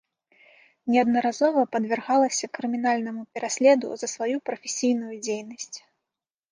Неаднаразова падвяргалася крымінальнаму пераследу за сваю прафесійную дзейнасць.